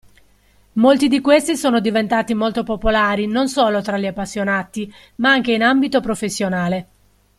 Molti di questi sono diventati molto popolari non solo tra gli appassionati, ma anche in ambito professionale.